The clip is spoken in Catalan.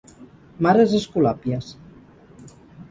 Mares Escolàpies.